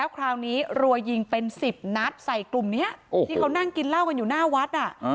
คราวนี้รัวยิงเป็น๑๐นัดใส่กลุ่มนี้ที่เขานั่งกินเหล้ากันอยู่หน้าวัด